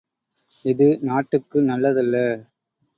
இது நாட்டுக்கு நல்லதல்ல.